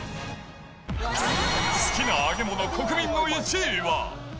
好きな揚げ物国民の１位は。